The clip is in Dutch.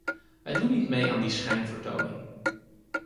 Wij doen niet mee aan die schijnvertoning.